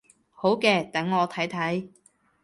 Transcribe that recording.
好嘅，等我睇睇